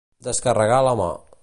Descarregar la mà.